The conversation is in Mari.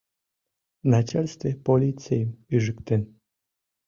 Начальстве полицийым ӱжыктен.